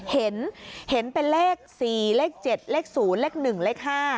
เห็นเป็นเลข๔๗๐๑๕